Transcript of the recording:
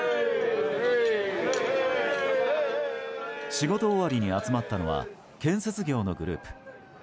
仕事終わりに集まったのは建設業のグループ。